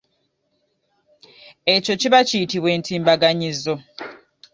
Ekyo kiba kiyitibwa entimbaganyizo.